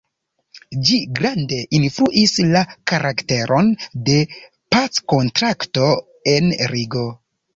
Ĝi grande influis la karakteron de packontrakto en Rigo.